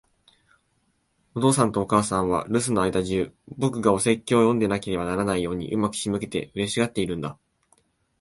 お父さんとお母さんは、留守の間じゅう、僕がお説教を読んでいなければならないように上手く仕向けて、嬉しがっているんだ。